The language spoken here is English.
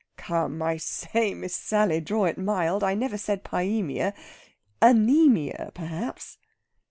"Come, I say, Miss Sally, draw it mild. I never said pyæmia. _An_æmia, perhaps...."